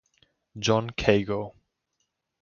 John Kago.